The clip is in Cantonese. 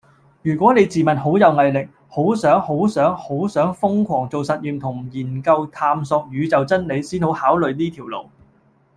如果你自問好有毅力，好想好想好想瘋狂做實驗同研究探索宇宙真理先好考慮呢條路